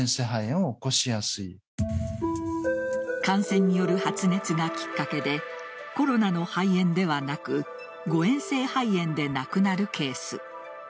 感染による発熱がきっかけでコロナの肺炎ではなく誤嚥性肺炎で亡くなるケース。